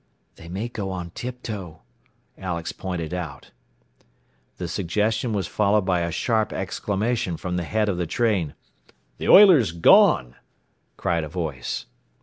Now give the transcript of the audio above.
"They may go on tiptoe," Alex pointed out. The suggestion was followed by a sharp exclamation from the head of the train. "The oiler's gone!" cried a voice.